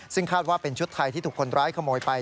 ซึ่งคาดว่าเป็นชุดไทยที่ถูกคนร้ายขโมยไป